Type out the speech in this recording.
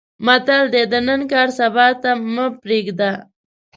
متل دی: د نن کار سبا ته مې پرېږده.